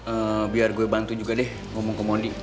eh biar gue bantu juga deh ngomong ke mondi